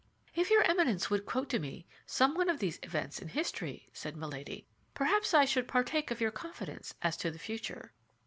"If your Eminence would quote to me some one of these events in history," said Milady, "perhaps I should partake of your confidence as to the future."